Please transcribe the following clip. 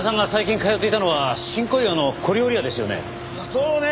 そうね。